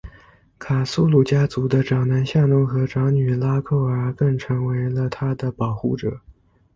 卡苏鲁家族的长男夏农和长女拉蔻儿更成为了她的保护者。